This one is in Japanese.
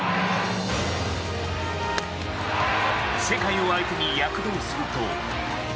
世界を相手に躍動すると。